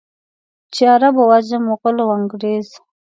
چې عرب او عجم، مغل او انګرېز.